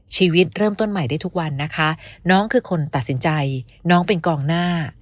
ชีวิตเริ่มต้นใหม่ได้ทุกวันนะคะน้องคือคนตัดสินใจน้องเป็นกองหน้า